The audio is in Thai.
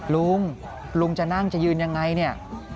ลุงลุงจะนั่งจะยืนยังไงเนี่ย